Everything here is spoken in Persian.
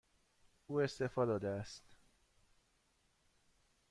او استعفا داده است.